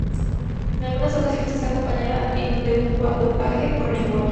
En algunas ocasiones está acompañada de un paje o "Ring boy".